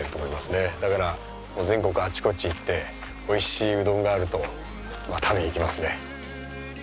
だから全国あっちこっち行っておいしいうどんがあると食べに行きますね。